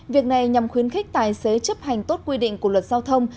việc này nhằm khuyến khích tài xế chấp hành tốt quy định của luật giao thông